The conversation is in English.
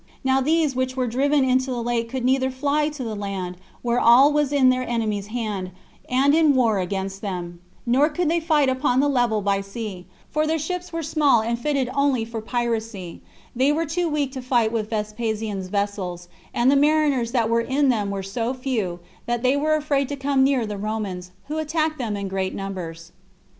Now these which were driven into the lake could neither fly to the land, where all was in their enemies' hand, and in war against them; nor could they fight upon the level by sea, for their ships were small and fitted only for piracy; they were too weak to fight with Vespasian's vessels, and the mariners that were in them were so few, that they were afraid to come near the Romans, who attacked them in great numbers.